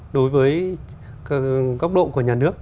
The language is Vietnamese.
đối với góc độ của nhà nước